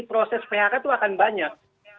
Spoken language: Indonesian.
proses phk itu akan banyak